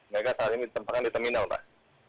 mereka saat ini ditempatkan di terminal pak